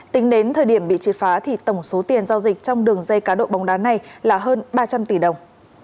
tính đến thời điểm bị triệt phá thì tổng số tiền giao dịch trong đường dây cá độ bóng đá này là hơn ba trăm linh tỷ đồng